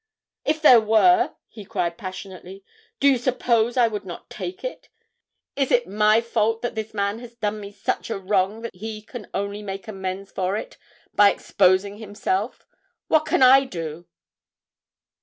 'If there were,' he cried passionately, 'do you suppose I would not take it? Is it my fault that this man has done me such a wrong that he can only make amends for it by exposing himself? What can I do?'